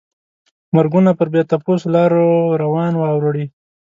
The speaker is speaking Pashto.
مرګونه پر بې تپوسو لارو روان واوړي.